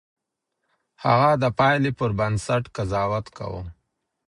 هغه د پايلې پر بنسټ قضاوت کاوه.